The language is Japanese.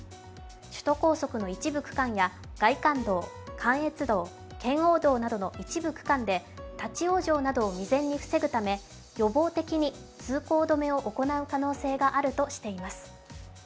首都高速の一部区間や外環道、関越道、圏央道などの一部区間で立往生などを未然に防ぐため予防的に通行止めを行う可能性があるとしています。